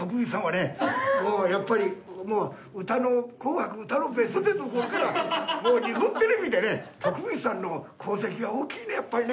やっぱりもう歌の『紅白歌のベストテン』の頃からもう日本テレビでね徳光さんの功績が大きいねやっぱりね。